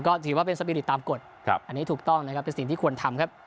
ก็ถือว่าเป็นสปีริตตามกฎอันนี้ถูกต้องนะครับเป็นสิ่งที่ควรทำครับ